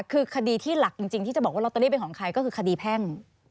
คือคดีที่หลักจริงที่จะบอกว่าลอตเตอรี่เป็นของใครก็คือคดีแพ่ง